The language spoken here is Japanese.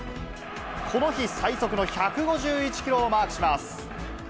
この日最速の１５１キロをマークします。